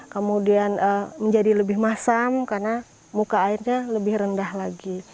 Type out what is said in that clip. kemudian menjadi lebih masam karena muka airnya lebih rendah lagi